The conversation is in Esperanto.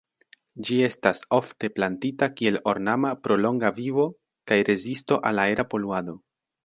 Ĝi estas ofte plantita kiel ornama pro longa vivo kaj rezisto al aera poluado.